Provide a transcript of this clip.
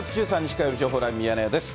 火曜日、情報ライブミヤネ屋です。